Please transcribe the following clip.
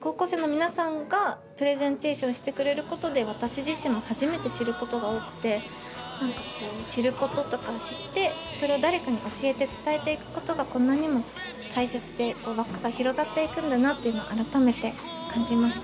高校生の皆さんがプレゼンテーションしてくれることで私自身も初めて知ることが多くて知ることとか知ってそれを誰かに教えて伝えていくことがこんなにも大切で輪っかが広がっていくんだなっていうのを改めて感じました。